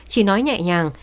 chỉ nói nhẹ nhàng